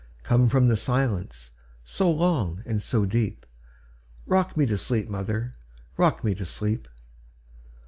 Come from the silence so long and so deep;—Rock me to sleep, mother,—rock me to sleep!